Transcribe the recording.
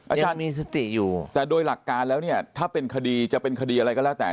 อาจารย์มีสติอยู่แต่โดยหลักการแล้วเนี่ยถ้าเป็นคดีจะเป็นคดีอะไรก็แล้วแต่